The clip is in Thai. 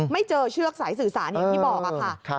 ไม่เจอเชือกสายสื่อสารอย่างที่บอกค่ะ